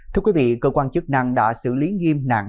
thưa quý vị cơ quan chức năng đã xử lý nghiêm nạn